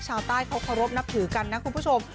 ชาวใต้เขาเคารพนับถือกันนะคุณผู้ชม